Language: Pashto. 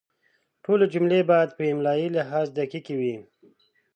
ټولې جملې باید په املایي لحاظ دقیقې وي.